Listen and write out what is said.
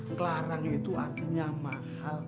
ngelarang itu artinya mahal